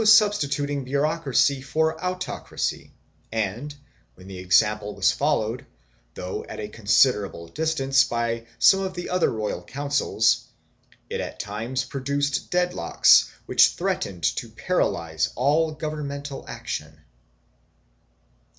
In a government theoretically absolute this was substituting bureaucracy for autocracy and, when the example was followed, though at a considerable distance, by some of the other royal councils, it at times produced deadlocks which threatened to paralyze all governmental action.